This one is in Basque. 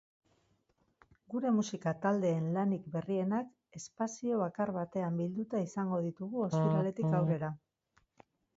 Gure musika taldeen lanik berrienak espazio bakar batean bilduta izango ditugu ostiraletik aurrera.